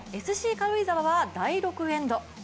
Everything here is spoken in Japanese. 軽井沢は第６エンド。